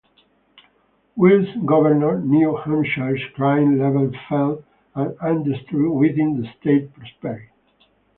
Whilst Governor, New Hampshire's crime level fell, and industry within the state prospered.